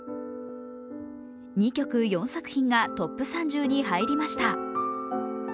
２曲、４作品がトップ３０に入りました。